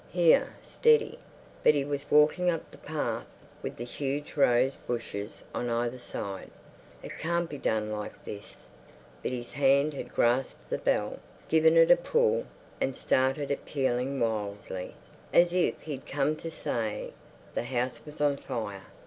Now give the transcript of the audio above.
Here, steady. But he was walking up the path, with the huge rose bushes on either side. It can't be done like this. But his hand had grasped the bell, given it a pull, and started it pealing wildly, as if he'd come to say the house was on fire.